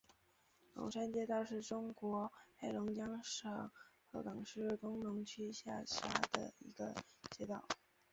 龙山街道是中国黑龙江省鹤岗市工农区下辖的一个街道。